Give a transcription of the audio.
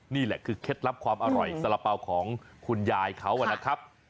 นี่แหละคือเคล็ดลับความอร่อยสละเป๋าของคุณยายเขานะครับ